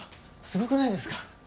すごくないですか？